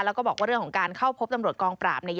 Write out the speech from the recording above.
แล้วก็บอกว่าเรื่องของการเข้าพบตำรวจกองปราบเนี่ย